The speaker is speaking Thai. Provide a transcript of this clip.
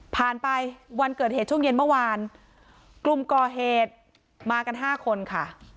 ผ่านไปวันเกิดเหตุช่วงเย็นเมื่อวานกลุ่มก่อเหตุมากันห้าคนค่ะ